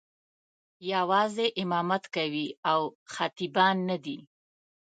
یوازې امامت کوي او خطیبان نه دي.